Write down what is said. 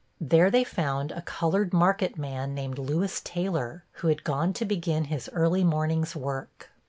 There they found a colored market man named Louis Taylor, who had gone to begin his early morning's work.